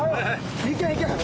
行け行け！